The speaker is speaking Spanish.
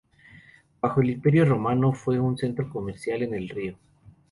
Bajo el Imperio romano fue un centro comercial en el río.